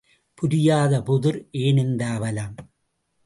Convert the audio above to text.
புரியாத புதிர், ஏன் இந்த அவலம்?